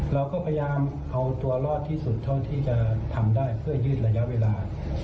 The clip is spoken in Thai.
เราก็พยายามเอาตัวรอดที่สุดเท่าที่จะทำได้เพื่อยืดระยะเวลา